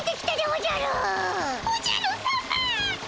おじゃるさま！